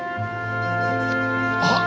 あっ！